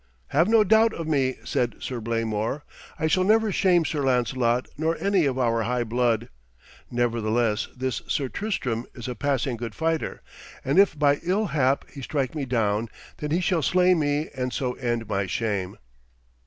'Have no doubt of me,' said Sir Blamor, 'I shall never shame Sir Lancelot nor any of our high blood; nevertheless, this Sir Tristram is a passing good fighter, and if by ill hap he strike me down, then he shall slay me and so end my shame.'